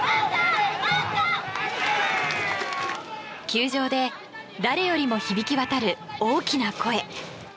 球場で誰よりも響き渡る大きな声。